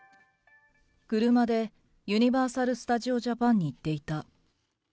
車でユニバーサル・スタジオ・ジャパンに行っていた。